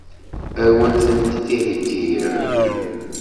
Ad wen-tent-id-heggiɣ?